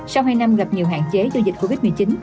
sau hai năm gặp nhiều hạn chế do dịch covid một mươi chín